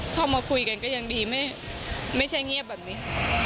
เข้ามาคุยกันก็ยังดีไม่ใช่เงียบแบบนี้